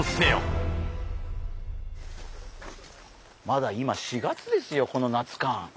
まだ今４月ですよこの夏感